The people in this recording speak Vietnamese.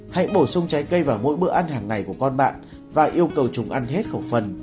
hãy bổ sung trái cây vào mỗi bữa ăn hàng ngày của con bạn và yêu cầu chúng ăn hết khẩu phần